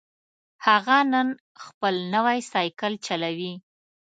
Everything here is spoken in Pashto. هغه نن خپل نوی سایکل چلوي